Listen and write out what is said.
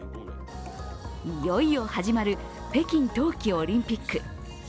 いよいよ始まる北京冬季オリンピック。